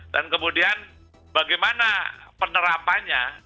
dan kemudian bagaimana penerapannya